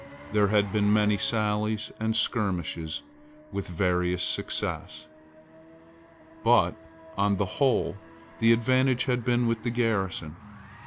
There had been many sallies and skirmishes with various success: but, on the whole, the advantage had been with the garrison.